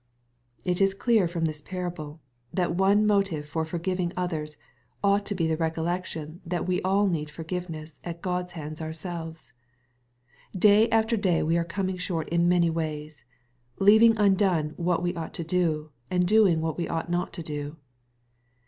It is clear from this parable that one motive for forgiv ing others, ought to be the recollection that we all need forgiveness at God's hands ourselves. Day after day we are coming short in many things, " leaving undone what we ought to do, and doing what we ought not to do."